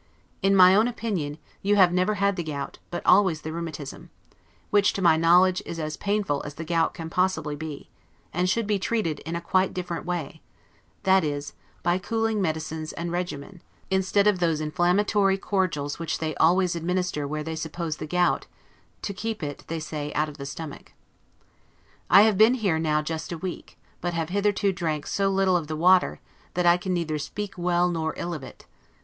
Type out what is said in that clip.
In my own opinion, you have never had the gout, but always the rheumatism; which, to my knowledge, is as painful as the gout can possibly be, and should be treated in a quite different way; that is, by cooling medicines and regimen, instead of those inflammatory cordials which they always administer where they suppose the gout, to keep it, as they say, out of the stomach. I have been here now just a week; but have hitherto drank so little of the water, that I can neither speak well nor ill of it.